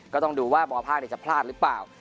ก็ต้องดูว่ามภาคจะพลาดหรือเปล่า